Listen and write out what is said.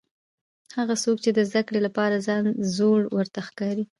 هغه څوک چې د زده کړې لپاره ځان زوړ ورته ښکاري.